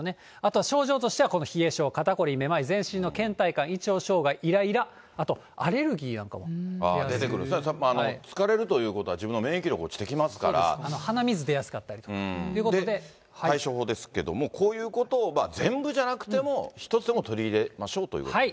あとは症状としてはこの冷え性、肩凝り、めまい、全身のけん怠感、胃腸障害、いらいら、あとアレルギーなど、気を疲れるということは自分の免鼻水出やすかったりとかとい対処法ですけど、こういうことを全部じゃなくても、一つでも取り入れましょうということです